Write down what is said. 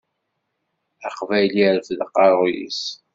Aqbayli irfed aqerru-s.